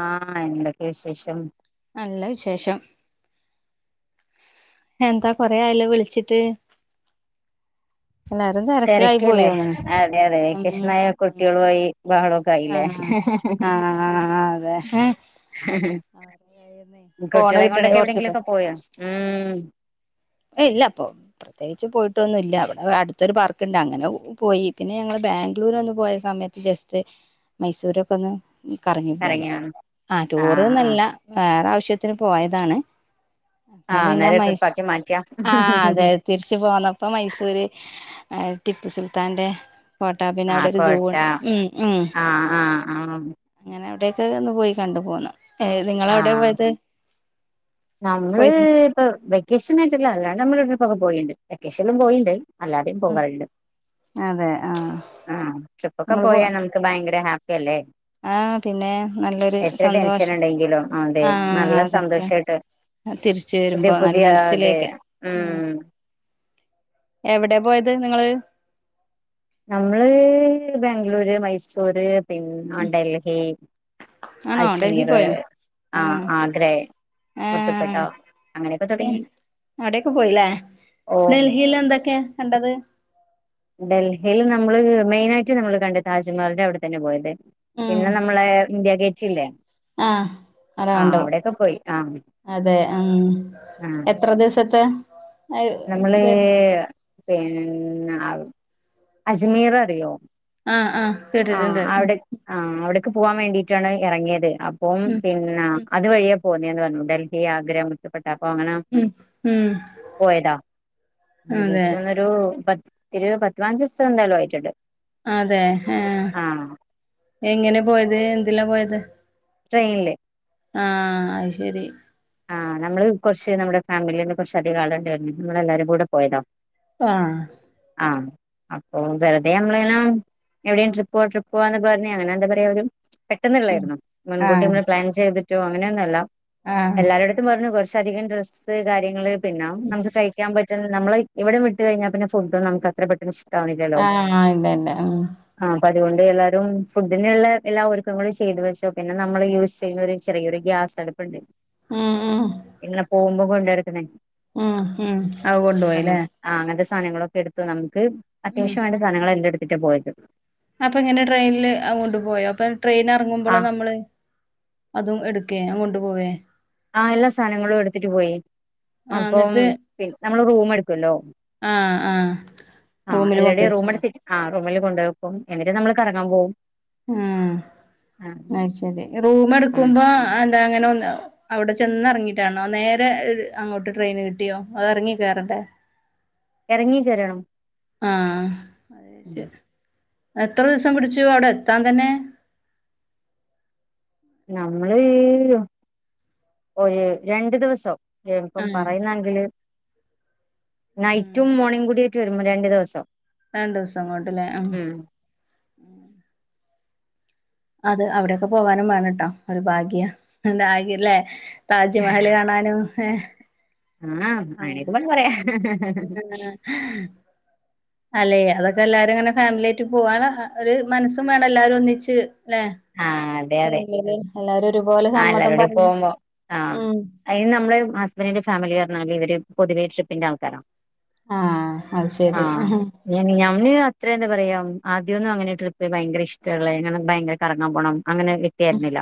ആഹ എന്തൊക്കെ വിശേഷം നല്ല വിശേഷം എന്താ കൊറെ ആയല്ലോ വിളിച്ചിട്ട്? എല്ലാരും തിരക്കിലായി തിരക്കല്ലേ, പോയോന്നണ് അതെ അതെ ഉം വെക്കേഷൻ ആയാൽ ഉം കുട്ടികളുമായി ബഹളം ഒക്കേ ആയില്ലേ, ആഹ് ആഹ് അതെ ഹിഹി ഹി, ഫോണ് കുട്ടികളെയും കൊണ്ട് കിട്ടണേ എവിടെ എങ്കിലും കുറച്ച് ഒക്കെയ് പോയോ? ഉം.. ഇല്ല അപ്പൊ പ്രത്യേകിച്ച് പോയിട്ടൊന്നുംല്ല ഇവിടെ അടുത്തൊരു പാർക്ക് ഇണ്ട് അങ്ങനെ പോയി പിന്നെ ഞങ്ങള് ബാംഗ്ലൂര് ഒന്ന് പോയ സമയത്ത് ജസ്റ്റ് മൈസൂരൊക്കെ ഒന്ന്- ഈ കറങ്ങി പോന്നു- കറങ്ങിയാണ് ആ ആഹ് ആഹ് ടൂറ്ന്നല്ല വേറെ ആവിശ്യം. വിശ്യത്തിന് പോയതാണ് ആഹ് നേരെ ട്രിപ്പ് ആക്കി മാറ്റിയ ആഹ അതെതെ തിരിച്ചു പോന്നപ്പോ മൈസൂര് ടിപ്പു സുൽത്താൻന്റെ കോട്ടാ പിന്നെ ആഹ് അവിടെ ഒരു സൂ കോട്ട ഉണ്ട് ഉ ഉ ആഹ് ആഹ് ആഹ് അങ്ങനെ അവിടെ ചേർന്ന് പോയി കണ്ടു പോന്നു ഏ നിങ്ങൾ എവിടെ ആ ആഹ് പോയത്? നമ്മള് പോയിരുന്നു ഇപ്പ വെക്കേഷൻ ആയിട്ടുള്ളല്ലേ നമ്മളവിടെക്കൊക്കെ പോയിട്ടുണ്ട് വെക്കേഷനിലും പോയിണ്ട് അല്ലാതെയും ഉം പോകറുണ്ട് അതെ ആഹ് ആ ട്രിപ്പ് ഒക്കെ പോയാൽ നമുക്ക് ഭയങ്കര ഹാപ്പ ക്കല്ലെ ആഹ പിന്നെ നല്ലൊരു ടെൻഷൻ സന്തോഷം ഉണ്ടെങ്കിലും അതെ ആഹ നല്ല അതൊക്കെ സന്തോഷായിട്ട് തിരിച്ച പുതിയ വരുമ്പോ നല്ല പുതിയ അതെ മനസ്സിലേക്ക് ഉം എവിടെയാ പോയത് നിങ്ങള് നമ്മള് ബാംഗ്ലൂര് മൈസൂര് പിന്നെ ഉം ഡൽഹി ആണോ ഡൽഹി അജ്മീർ പോയോ ആ ആഹ് ആഗ്രെ മുത്തുപട്ട ആഹ് അങ്ങനെയൊക്കെ തുടങ്ങി അവിടെയൊക്കെ പോയില്ലേ ഓ ഡൽഹിൽ എന്തൊക്കെയാ കണ്ടത് ഡൽഹിൽ നമ്മള് മെയിൻ ആയിട്ട് നമ്മള് കണ്ടത് താജ്മഹലിന്റെ അവിടെ തന്നെയാ പോയത് പിന്നെ നമ്മള് ഇന്ത്യഗേറ്റ് ഇല്ലേ ആഹ അത് ആ കണ്ടു അവിടെയൊക്കെ പോയി ആ അതെ ഉ ആ എത്ര ദിവസത്തെയാ നമ്മള് പിന്ന അജ്മീർ അറിയോ ആ ആ ആ അവിടെ ആ അവിടെ [unintelligible] പോവാൻ വേണ്ടിയിട്ടാണ് ഇറങ്ങിയത് അപ്പം ഉം പിന്നെ ഉം അതുവഴി പോന്നിന്ന് പറഞ്ഞു ഡൽഹി ആഗ്ര മുത്തുപ്പേട്ട അപ്പോ അങ്ങനെ ഉം ഉം പോയതാ അതെ എനിക്ക് തോന്നുന്നു പത്ത് ഒരു പത്തു പതിനഞ്ചു ദിവസം എന്തായാലും ആയിട്ടുണ്ട് അതെ ആഹ ആഹ് എങ്ങനെ പോയത് എന്തിലാ പോയത് [inaudible] ട്രെയിനില് ആഹ അത് ശരി ആഹ് നമ്മള് കുറച്ച് നമ്മടെ ഫാമിലിന്ന് കുറച്ച് അധികം ആളുണ്ടായിരുന്നു നമ്മളെല്ലാരും കൂടെ പോയതോ ആഹ ആ അപ്പൊ വെറുതെ നമ്മളെല്ലാം എവിടെയും ട്രിപ്പ്‌ പോവാം ട്രിപ്പ് പോവാന്ന് പറഞ്ഞു അങ്ങനെ എന്താ പറയാ ഒരു പെട്ടെന്നുള്ളെയായിരുന്നു മുൻകൂട്ടി ആഹ് നമ്മള് പ്ലാൻ ചെയ്തിട്ട് റ്റോ അങ്ങനെയൊന്നുമല്ല ആഹ് എല്ലാരെടുത്തും പറഞ്ഞു പക്ഷെ അധികം ഡ്രസ്സ് കാര്യങ്ങള് പിന്നെ നമുക്ക് കഴിക്കാൻ പറ്റുന്ന നമ്മള് ഇവിടം വിട്ട് കഴിഞ്ഞാൽ പിന്നെ ഫുഡ് നമുക്കത്ര പെട്ടെന്ന് ഇഷ്ടാവില്ലല്ലോ ആഹ് ഇതന്ന ഉ [unintelligible] ആ അപ്പൊ അതുകൊണ്ട് എല്ലാരും ഫുഡിനുള്ള എല്ലാ ഒരുക്കങ്ങളും ചെയ്തു വെച്ചു പിന്നെ നമ്മള് യൂസ് ചെയ്യുന്ന ഒരു ചെറിയൊരു ഗ്യാസ് അടുപ്പുണ്ട് ഉം ഉം ഇങ്ങനെ പോകുമ്പോ കൊണ്ട് നടക്കുന്ന ഉം ഉം അവ കൊണ്ടു പോയില്ലേ ആ അങ്ങനത്തെ സാധനങ്ങളൊക്കെ എടുത്ത് ന നമുക്ക് അത്യാവശ്യം വേണ്ട സാധനങ്ങൾ എല്ലാം എടുത്ത് ട്ട പോയിട്ട് അപ്പൊ ഇങ്ങനെ ട്രെയിനിില് അങ്ങോട്ടു പോയോ അപ്പൊ ട്രെയിൻ ആ ഇറങ്ങുമ്പോള് നമ്മള് അതും എടുക്കെ അതുംകൊണ്ട്‌ പോവേ ആഹ് എല്ലാ സാനങ്ങളും എടുത്തിട്ട് പോയി അപ്പം പി നമ്മള് റൂമെടു ആഹ ആഹ ആ റൂമില് എല്ലാരുടെയും കൊണ്ടുവെച്ച റൂം എടുത്തിട്ട് ആ റൂമിൽ കൊണ്ട് വെക്കും എന്നിട്ട് നമ്മൾ കറങ്ങാൻ പോകും ഉ അയിശരി റൂം ഉം എടുക്കുമ്പോ എന്താ അങ്ങനെ ഒ അവിടെ ചെന്നിറങ്ങിട്ടാണോ നേരെ അങ്ങോട്ട് ട്രെയിൻ കിട്ടിയോ അത് ഇറങ്ങി കയറണ്ടേ ഇറങ്ങി [unintelligible] ആ ഉം [unintelligible] എത്ര ദിവസം പിടിച്ചു അവിടെ എത്താൻ തന്നെ നമ്മള് ഒരു രണ്ടു ദിവസം ആ എപ്പം പറയുന്നങ്കില് ഉം നൈറ്റും മോർണിങ് കൂടി ച്ചു വരുമ്പ രണ്ടു ദിവസം രണ്ടു ദിവസം അങ്ങോട്ടില്ലേ ആ ഉം അത് അവിടൊക്കെ പോവാനും വേണോട്ടാ ഒരു ഭാഗ്യം [unintelligible] ല്ലേ താജ്മഹല് കാണാനും ഏ ആഹ് അനേ [unintelligible] പറയാ ഉം [inaudible] അതൊക്കെ എല്ലാരും ഇങ്ങനെ ഫാമിലിായിട്ട് പോവാൻ ഒരു മനസ്സും വേണം എല്ലാരും ഒന്നിച്ച് ല്ലെ ആഹ അതെ അതെ ഫാമിലി എല്ലാരും ഒരുപോലെ ആ സമ്മതം എല്ലരുോടയും പറഞ്ഞു പോകുമ്പോ ആഹ ഉം അ നമ്മള് ഹസ്ബൻഡിന്റെ ഫാമിലി പറഞ്ഞല് ഇവര് പൊതുവേ ട്രി പ്പിന്റെ ആൾക്കാരാം ആഹ് അ ശെരി ആ ഇത്ര എന്താ പറയാ ആദ്യമന്നും അങ്ങനെ ട്രിപ്പ് ഭയങ്കര ഇഷ്ടുള്ളനെ ഭയങ്ക കറങ്ങാൻ പോണം അങ്ങനെ വ്യക്തിയായിരുന്നില്ല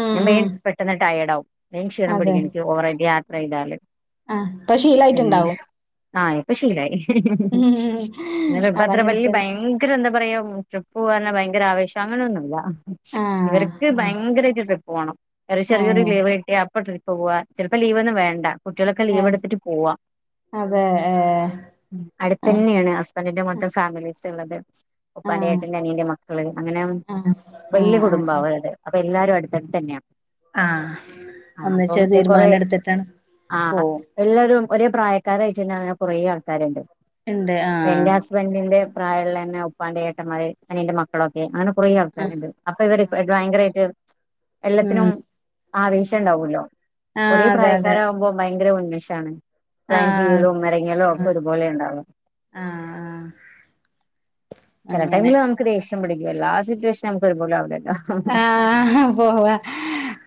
ഉം ഞാൻ ഉം വേഗം പെട്ടെന്ന് ടയർഡ് ആാവും വേഗം ക്ഷീണം അതെ പിടിക്കും എനിക്ക് ഓവറായിട്ട് യാത്ര ചെയ്താല് ആഹ് ഇപ്പൊ പിന്നെ ശീലായിട്ടുണ്ടാവും ആ് എപ്പൊ ശീലായി ഉം എന്നാലുമിപ്പത്ര അതങ്ങനെ വലിയ തന്നെ ഭയങ്കര എന്താ പറയാ ട്രിപ്പ്പോവാൻ ഭയങ്കര [unintelligible] അങ്ങനൊന്നുമല്ല ഇവർക്ക് ആഹ് ഭയങ്കരമായിട്ട് ട്രിപ്പ് പോകണം ഒരു ചെറിയൊരു ഏഹ് ലീവ് കിട്ടിയ ഇപ്പ ട്രിപ്പ് പോവാ ചിലപ്പോ ലീവ് ഒന്നും വേണ്ട. കുട്ടികളൊക്കെ ലീവ് ഏഹ് എടുത്തിട്ട് പോവാ അതെ ഏഹ് അടുത്തന്നെയാണ് ഹസ്ബൻഡിന്റെ മൊത്തം ഫാമിലി. ള്ളത് ഉപ്പാന്റെ ആഹ് ഏട്ടല്ല അനീറെ മക്കള് അങ്ങനെ ആഹ് വലിയ ആഹ് കുടുംബം ആഹ് അവടെ എല്ലാരും അടുത്തടുത്തന്നെയാ ആഹ് ഒന്നിച്ച് കൊറെ തീരുമാനം എടുത്തിട്ടാണ് ആ പോവും. എല്ലാരും ഒരേ പ്രായക്കാരായിട്ടു തന്നെ അങ്ങനെ കുറെേ ആൾക്കാരുണ്ട്. ഇണ്ട് എന്റെ ആഹ് ഹസ്ബന്റിന്റെ പ്രായമുള്ളന്നെ ഉപ്പാന്റെേ ഏട്ടന്മാര് അനിയന്റെ മക്കളൊക്കെ അങ്ങനെ കുറേ [unintelligible] അപ്പോ ഇവർ ആഹ് ഭയങ്കരമായിട്ട് എല്ലാത്തിനും ആവേശം ഉം ഉണ്ടാവല്ലോ ആഹ് ഒരേ അതെ അതെ പ്രായക്കാരാകുമ്പോ ഭയങ്കര മഷാണ് പ്ലാൻ ആഹ് ചെയ്യലും [unintelligible] ഒക്കെ ആഹ് ഒരുപോലെ ഉണ്ടാവും ആഹ് ചല അങ്ങനെ ടൈമില് നമുക്ക് ദേഷ്യ പിടിക്കില്ല ആ സിറ്റേഷൻ [unintelligible] ആഹ് പോവാ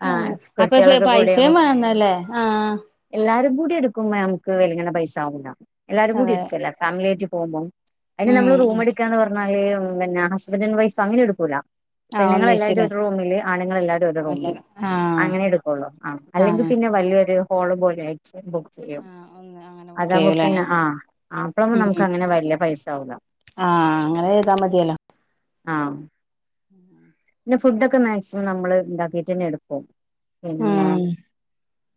ആഹ് അപ്പൊ കുട്ടികളൊക്കെ പൈസയും കൂടിയാകുമ്പോ വേണല്ലേ ആഹ് എല്ലാരും കൂടി എടുക്കുമ്പോ നമുക്ക് വലങ്ങണ പൈസാവില്ല. എല്ലാരും കൂടി അതെ എട്ക്കലാ ഫാമിലിയായ്ട്ട് [unintelligible] അയിന് ഉം നമ്മള് റൂം ഉം എടുക്കാന്ന് പറഞ്ഞാ ഏ ഒന്നുല്ല ഞാന് ഹസ്ബന്റ് ആന് വൈഫ് അങ്ങനെ എടുക്കൂല ആഹ് പെണ്ണുങ്ങളെല്ലാവരൂടെ ഒന്നിച്ചില്ലേ ഒരു റൂമില് ആണുങ്ങൾെല്ലാവരും ഒരു റൂമില് ആഹ് അങ്ങനെ എടുക്കുള്ളൂ ആ അല്ലെങ്കിൽ ആഹ് പിന്നെ വലിയൊരു കോളം പോല ആയി ബുക്ക് ചെയ്യും ആഹ് ഒന്ന് അങ്ങനെ ബുക്ക് അതാവകുമ്പോ ചെയ്യൂലേ പിന്നെ ആ അപ്പഴ നമുക്ക് ഉം അങ്ങനെ വലിയ പൈസ ആകൂല ആഹ് അങ്ങനെ ചെയ്താ ആഹ ഉം പിന്നെ ഫുഡൊക്കെ മാക്സിമം നമ്മള് ഉണ്ടാക്കിട്ട് തന്നെ എടുക്കും. പിന്നെ ഉം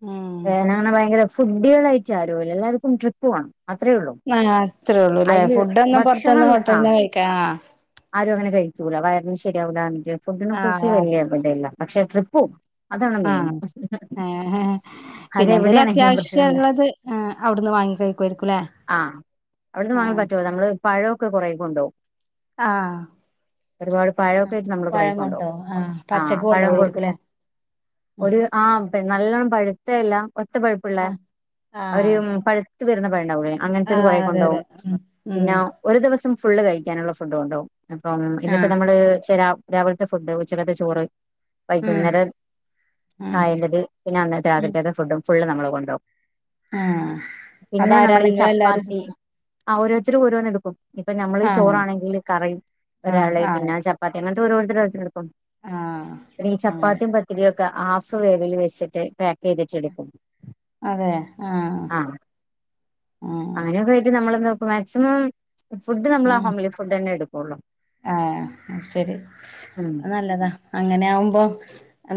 ഉം നങ്ങനെ ഭയങ്കര ഫുഡികളായിട്ട് ആരുല്ല എല്ലാവർക്കും ട്രിപ്പ് പോണം. അത്രേ ഉള്ളൂ ആ അത്രേ ഉള്ളൂ ല്ലേ അതില് ഫുഡ് ഒന്നും പുറത്തന്ന് ഭക്ഷണം ആ ഹോട്ടല കഴിക്കാ ആ ആരും അങ്ങനെഴിക്കൂല വയറിന് ശരിയാകൂലാ ഫുഡിനെ കുറിച്ച് ആഹ് ആഹ് വലിയ ഇതല്ല പക്ഷെ ട്രിപ്പു പോവും അതാണ് മെയിൻ ആഹ് ഏഹ് പിന്നെ എന്തേലും അതെവിടെയാണെങ്കിലും പ്രശ്നല്ലാ അത്യാവശ്യള്ളത് ആഹ് അവിടുന്ന് വാങ്ങി കഴിക്കുവായിരിക്കുംല്ലേ ആഹ് അവിടുന്ന് വാങ്ങാൻ ആഹ് പറ്റുമോ നമ്മള് പഴമൊക്കെ കുറേ കൊണ്ടോവും ആഹ് ഒരുപാട് പഴമൊക്കെ ആഹ് ആട്ട് നമ്മള് കുറ പഴം കൊണ്ടുപോകും കൊണ്ടോ ആഹ് ആ പച്ചക്ക് പഴം കൊട്ട കൊണ്ടോവായിരിക്കുംല്ലേ ഉം ഒരു ആ നല്ലോണ്ണം പഴ അതല്ല [inaudible] ഒത്ത പഴുപ്പുള്ള ആഹ് അവര് ആഹ് പഴുത്തത്ത് വരുന്ന പഴംണ്ടാവുള്ള അങ്ങനത്തത് കുറെേ ആഹ് അതെ കൊണ്ടു അതെ പോകും ഉം ഉം പിന്നെ ഒരു ദിവസം ഫുള്ള് കഴിക്കാനുള്ള ഫുഡ്‌ കൊണ്ടോവും അപ്പം ഇന്നിപ്പ ആഹ് നമ്മള് ചില രാവിലത്തെ ഫുഡ് ഉച്ചക്കത്തെ ചോറ് ഉം വൈകുന്നേരം ഉം ചായേറത് പിന്നെ അന്നത്തെ ഉം രാത്രിക ഫുഡും ഫുള് നമ്മള് കൊണ്ടോവും ആഹ് പിന്നെ അതാരാ നമ്മൾ ഈ നിങ്ങളെല്ലാരും ചപ്പാത്തി ഓരോരുത്തരും ഓരോന്ന് എടുക്കും ഇപ്പൊ നമ്മൾ ആഹ് ചോറാണെങ്കിൽ. കറയും ആഹ് [unintelligible] ആഹ് പിന്നെ ചപ്പാത്തി അങ്ങത്തെ ഓരോര്ത്തര് ഓരോര്ത്തര് ആഹ് പിന്നെ ഈ അങ്ങനെ ചപ്പാത്തിയും പത്തിരി ഒക്കെ ആഫ് വേവിൽ വെച്ചിട്ട് പാക്ക് ചെയ്തിട്ടെടുക്കും. അതെ ആഹ് ആഹ ആഹ് അങ്ങനെയൊക്കെ ആയിട്ട് നമ്മള മാക്സിമം ഫുഡ് നമ്മള ഉം ഹോംലി ഫുഡ് അതന്നെടും ആഹ് ശരി ഉം നല്ലതാ അങ്ങനെ ആകുമ്പോ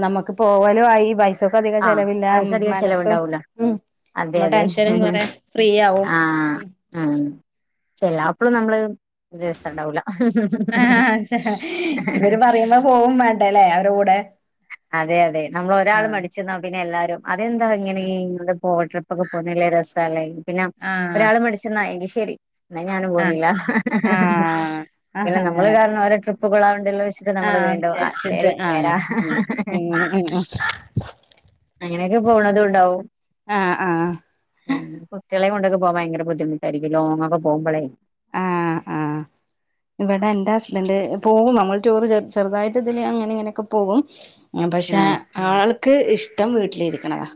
നമ്മുക്ക് പോവലും ആയി ക്ക് അധികം ആഹ് ചെലവില്ല പൈസ അധികം മനസ്സും ചെലവുണ്ടാവൂല ഉ അതെ നമ്മ അതെ ടെൻഷനും കൊറെ ഫ്രീ ആവും എല്ലാപ്പളും നമ്മള് രസംണ്ടാവൂല ആഹ് ഇവര് പറയുമ്പോ [unintelligible] പോവും വേണ്ടല്ലേ അവരെ കൂടെ അതെ അതെ നമ്മള് ഒരാൾ ആഹ് മടിച്ച പിന്നെ എല്ലാരും. അതെന്താ ഇങ്ങനെ ഇ ഗോവ ട്രിപ്പ് ഒക്കെ പോന്നില്ല രസല്ലേ പിന്നെ ആഹ് ഒരാള് മടിച്ച നിന്ന ശരി എന്ന ഞാനും ആഹ് പോുന്നില്ല ആഹ് ആഹ് പിന്നെ നമ്മള് അങ്ങനെ കാരണം ഓരോ ട്രിപ്പ് കൊള്ളണ്ടല്ലോ വെച്ചിട്ട് നമ്മള് ആഹ് വീണ്ടും ആ ശെരി വിചാരിച്ചിട്ട് ആഹ് വരാ ഉം ഉം ഉ അങ്ങനെയൊക്കെ പോണത് ഉണ്ടാവും ആഹ് ആഹ് ഊ ഇളയ കൊണ്ടൊക്കെ പോവാൻ ഭയങ്കര ബുദ്ധിമുട്ടായിരിക്കും ലോങ്കക്കെ പോക്പഴേ. ആഹ ആഹ് ഇവിടെ എൻറെ ഹസ്ബൻഡ് പോവും നമ്മൾ ടൂറ് ചെറുതായിട്ട് ഇതില് അങ്ങനെ ഇങ്ങനെയൊക്കെ പോകും പക്ഷേ ആഹ് ആൾ ക്ക് ഇഷ്ടം വീട്ടിലിരിക്കണതാ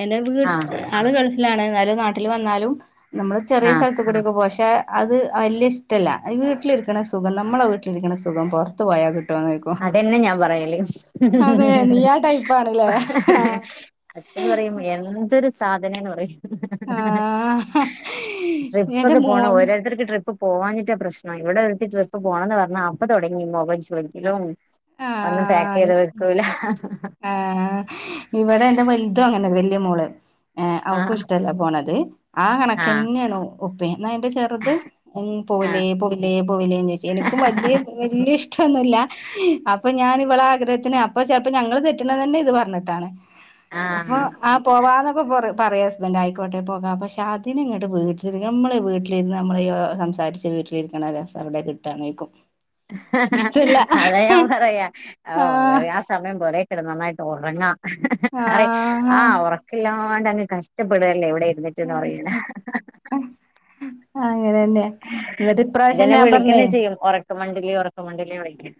എന്റ വീട് ആഹ് ആള് ഗൾ ആണ് എന്നാലും നാട്ടിൽ വന്നാലും നമ്മള് ചെറിയ ആഹ് സ്ഥലത്ത് കൂയൊക്ക പോ- ച- അത് അല്യ ഇഷ്ടല്ല വീട്ടിലിരിക്കണ സുഖം നമ്മളെ വീട്ടിലിരിക്കണ സുഖം പൊറത്ത് പോയാൽ കിട്ടൂ അതെന്നെ ഞാൻ പറയലേ അതെ നീ ആ ടൈപ്പാണല്ലേ ഹസ്ബൻഡ് പറയും എന്തൊരു സ് സാധനോന്ന് പറയും ആഹ ന്റ മോള് പോവാഞ്ഞിട്ട പ്രശ്നം ഇവിടെ ഒരുത്തി ട്രിപ്പ്‌ പോണന്ന് പറഞ്ഞാ അപ്പൊ തുടങ്ങി മുഖ ലും ഒന്നും പാക്ക് ചെയ്ത് വെക്കൂല ആ ഇവിടെ എന്റെ വലുതും അങ്ങനെ വ- മോള് ഏ് അവക്കും ആഹ് ഇഷ്ടല്ല പോണത് ആ ആഹ് കണക്കന്നെയാണ് ഒപ്പേ എന്ന എന്റെ ചെറുത് പോവിലേ ആഹ് പോവിലേ പോവിലേന്ന് ചോദിച്ചു എനിക്കും വ വലിയ ഇഷ്ടൊന്നുമില്ല അപ്പൊ ഞാന് ഇവള ആഗ്രഹത്തിന് അപ്പോ ചിലപ്പോ ഞ- ഞങ്ങള് തെററ്റുന്ന തന്നെ ഇത് പറഞ്ഞിട്ടാണ് അപ്പൊ ആഹ് ആ പോവാന്നൊക്കെ പറയും പറയും ഹുസ്ബൻഡ് ആയിക്കോട്ടെ പോകാം പക്ഷെ അതിന് ഇങ്ങോട്ട് വീട്ടിലി നമ്മളെ വീട്ടിലിരിന്ന് നമ്മൾ സംസാരിച്ച് വീട്ടിലിരിക്കണ രസം അവിടെ കിട്ടാന്ന്ോക്കും അതയാ പറയാ ആഹ് ആ സമയം പോലെ ഇവിടെ നന്നായിട്ട് ഉറങ്ങാം അ ആഹ ആഹ് ഉറക്കില്ല ഒരുപാടങ്ങു കഷ്ടപ്പെടല്ലേ ഇവിടെ എഴുന്നേറ്റന്ന് പറയാനാ ആ ഇതെന്നെ പറഞ്ഞേ വിളിക്കന്നെ ചെയ്യും ഉറക്കുമണ്ടിലി ഉറക്കുമണ്ടിലി വിളിക്ക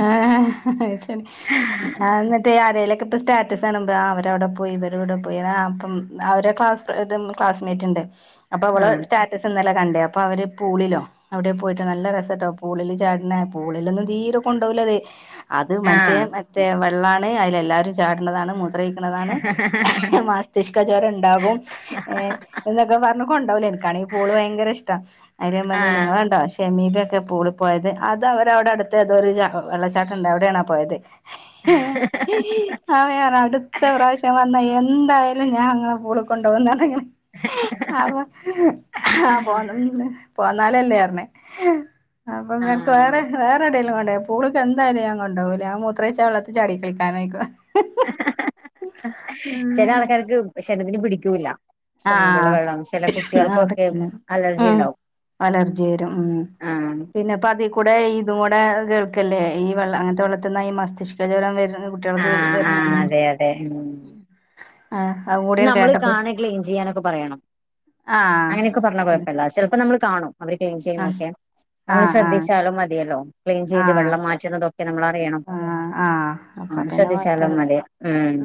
ആഹ് ആരെങ്കിലുമൊക്കെ ഇപ്പ സ്റ്റാറ്റസ് ആണുമ്പ അവരവിടെ പോയി ഇവരവിടെ പോയി അപ്പം അവര് ക്ലാസ് ക്ലാസ്മേറ്റ് ഇണ്ട് അപ്പൊ അവള് ആഹ് സ്റ്റാറ്റസിന്നലെ കണ്ടേ അപ്പോൾ അവര് പൂളിലോ അവിടെ പോയിട്ട് നല്ല രസട്ടോ പൂളിൽ ചാടുന്ന പൂളിലൊന്നും തീര- ഉണ്ടോലത് അത് മറ്റേ ആഹ് മറ്റേ മറ്റ് ള്ള ആണെ അയ്ലെ എല്ലാരും ചാടുന്നതാണ് മു താണ് മസ്തിഷ്ക ജോരം ഇണ്ടാകും ഏഹ് എന്നൊക്കെ പറഞ് കൊണ്ടാവൂലേ എനിക്കണ ഈ പൂള് ഭയങ്കര ഇഷ്ട അയിൽ ഞാൻ പറഞ്ഞു ആഹ് നിങ്ങളണ്ടാ ശമീടട് ക്കെ പൂളി പോയത് അത് അവര വിടെ അടുത്ത തോരു വെള്ളച്ചാട്ടണ്ട് അവിടെയാണ പോയത് എഹ് അവയാണ് അടുത്ത പ്രാവശ്യം വന്ന എ എന്തായാലും ഞാങ്ങളെ പൂളക്കൊണ്ടോകുന്നറഞ്ങ്ങാണ്ട് അപോ ആ പോന്നപിന്നെ പോന്നാലല്ലേപറഞ്ഞെ അപ്പം നിനക്ക് വേറെ ആഹ് വേറെ എടലും പൂളെ എന്തായാലും കൊണ്ടാവൂല അ മൂത്രേയ്ച്ച വെള്ളത്തി ചടി കളിക്കാനായിക്കും ഹ്‌ ഹ്‌ ഹ്‌ ചെല ആൾക്കാർക്ക് ഭക്ഷണം അയ്ന് പിടിക്കൂല്ല സ്വിമ്മിംഗ് പൂളിലെ ആഹ് വെള്ളം ചില ആ കുട്ടികൾക്കൊക്കെ പറ്റില്ല അലർജി ഉം ഉണ്ടാവും അലർജി വരും ഉം ആഹ് പിന്നെപ്പ അതിക് കൂടെ ഇതും കൂടെ കേൾക്കല്ലേ ഈവെള്ള അങ്ങനത്തെ വെള്ളത്തിന്ന ഈ മസ്തിഷ്ക ജ്വലം വരന്ന് അത് കുട്ടിയാൾക്ക് ആഹ് വരുന്ന ആഹ് അതെ അതെ ഉം ആഹ് അതും കൂടി നമ്മള് കേട്ടപ്പോ കാണക്ളീൻ ചിയ് പറയണം ആഹ് അങ്ങനക്കെ പറഞ്ഞ കൊഴപ്പല്ല ചെലപ്പോ നമ്മള് കാണും. അവര് ക്ലീൻ ആഹ് ചെയ്യുന്നൊക്കെ നമ്മള് ആഹ് ആഹ് ശ്രദ്ധിച്ചാലും മതിയല്ലോ ക്ലീൻ ചെയ്ത് ആഹ് വെള്ളം മാറ്റുന്നതൊക്കെ നമ്മൾ അറിയണം ആഹ് ആഹ് ആ അപ്പൊ പിന്നെ ശ്രദ്ധിച്ചാലും കൊഴപ്പല്ല മതി ഉം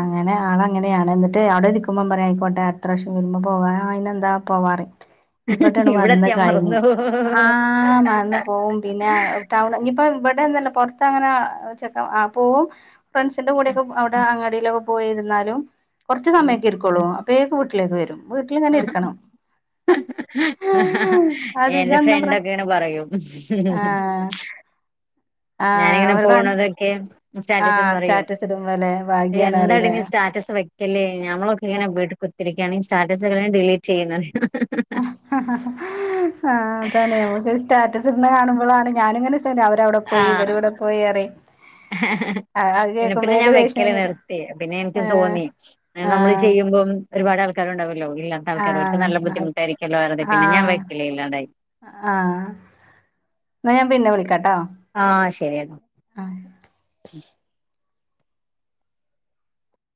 അങ്ങനെ ആൾങ്ങനെയാണ് എന്നിട്ട് എവിടെ ഇരിക്കുമ്പോം പറയാമായിയിക്കോട്ടെ എത്ര പ്രാവ്യം വരുമ്പോ പോവാ അയിന് എന്താ പോവാറേം. ഇവിടൊണ് വന്ന് ഇവിടെത്തിയാ കയിഞ്ഞ് മറന്നു ആ മറന്ന് പോവും പിന്നെ ടൗൺ ഇനീപ്പ ഇവി- അന്നല്ല പുറത്ത് അങ്ങനെ ചെക്ക ആ പോവും. ഫ്രണ്ട്സിന്റെ കൂടെ ഒക്കെ അവിടെ അങ്ങ- ലോ പോയിരുന്നാലും കൊറച്ച് ഉം സമയൊക്കെ ഇരിക്കെളളു. വേക്ക് ഉട്ടിലേക്ക് വരും. വീട്ടിലങ്ങന്നെ ഇരിക്കണം അധിക എന്റെ എന്താ പറ ഫ്രണ്ടൊക്കെ ഇങ്ങനെ പറയും ആഹ് ആഹ് ഞാനിങ്ങനെ ഒരു ഫ്രണ്ട്സ് പോണതൊക്കെ സ്റ്റാറ്റസും ആഹ് പറയും സ്റ്റാറ്റസ് ഇടുമ്പോല്ലേ ഭാഗ്യാണ് എന്താടിനി അറിയില്ലേ സ്റ്റാറ്റസ് വയ്ക്കല്ലേ ഞമ്മളൊക്കെ ഇങ്ങനെ വീട്ട്ക് എനിക്കാണ് ഈ സ്റ്റാറ്റസെക്കെെയാം ഡിലീറ്റ് ചെയ്യുന്നറയും. ആ അതാണ നമുക്ക് സ്റ്റാറ്റസ് ഇട്ന്ന കാണുമ്പോളാണ് ഞാനിങ്ങനെ അവരവിടെ പോയി ആഹ ഇവരിവിടെ പോയി പറയും അത് പിന്നെ കേൾക്കുമ്പോ പിന്നെ ഞാൻ വെക്കല ഏകദേശം നിർത്തി പിന്നെ എനിക്കും ആഹ് തോന്നി നമ്മള് ചെയ്യുമ്പം ഒരുപാട് കണ്ടാവ ആഹ വെറുതെ ആഹ പിന്നെ ഞാൻ വെക്കല് ഇല്ലാണ്ടായി ആഹ എന്ന ഞാൻ പിന്നെ വിളിക്കാട്ടെ ആഹ ശരിയെന്നാ ഉം